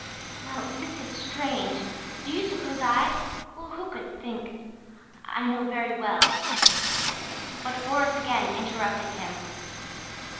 "Well, this is strange! Do you suppose I... who could think?... I know very well..." But Borís again interrupted him.